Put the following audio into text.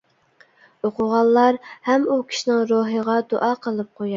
ئوقۇغانلار ھەم ئۇ كىشىنىڭ روھىغا دۇئا قىلىپ قويار.